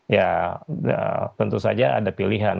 ya tentu saja ada pilihan